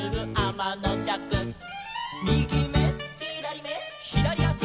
「みぎめ」「ひだりめ」「ひだりあし」